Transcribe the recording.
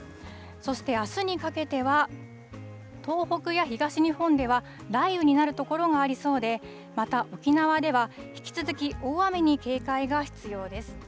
そして、あすにかけては、東北や東日本では雷雨になる所がありそうで、また、沖縄では引き続き、大雨に警戒が必要です。